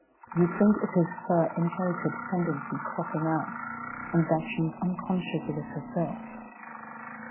You think it is her inherited tendency cropping out, and that she is unconscious of it herself.